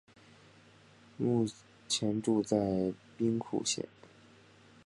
目前住在兵库县。